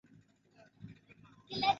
licha ya nchi ya rwanda kuwa nchi ndogo